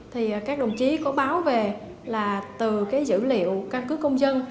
thì các đồng chí có báo về là từ cái dữ liệu căn cứ công dân